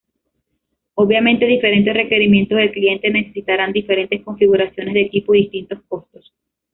Obviamente diferentes requerimientos del cliente necesitarán diferentes configuraciones de equipo y distintos costos.